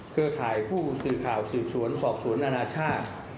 ข่ายผู้สื่อข่าวสืบสวนสอบสวนอนาชาติ